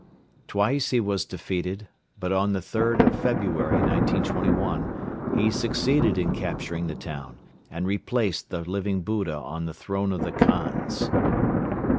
Twice he was defeated but on the third of February, 1921, he succeeded in capturing the town and replaced the Living Buddha on the throne of the Khans.